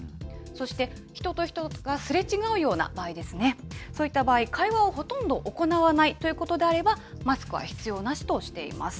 そして人と人がすれ違うような場合ですね、そういった場合、会話をほとんど行わないということであれば、マスクは必要なしとしています。